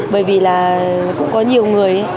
bởi vì là cũng có nhiều người ý